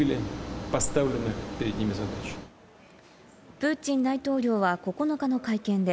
プーチン大統領は９日の会見で、